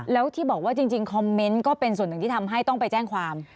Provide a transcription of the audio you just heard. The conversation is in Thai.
แล้วที่บอกว่าจริงคอมเมนต์ก็เป็นส่วนหนึ่งที่ทำให้ต้องไปแจ้งความ